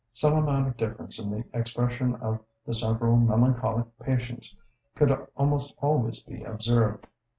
Some amount of difference in the expression of the several melancholic patients could almost always be observed.